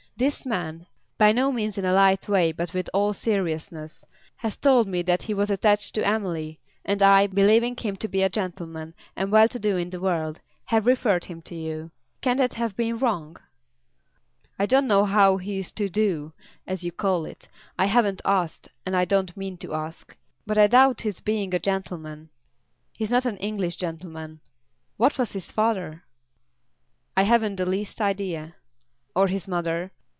This man, by no means in a light way but with all seriousness, has told me that he was attached to Emily; and I, believing him to be a gentleman and well to do in the world, have referred him to you. Can that have been wrong?" "I don't know how he's 'to do', as you call it. I haven't asked, and I don't mean to ask. But I doubt his being a gentleman. He is not an English gentleman. What was his father?" "I haven't the least idea." "Or his mother?"